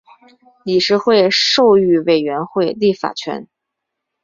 理事会授予委员会立法权。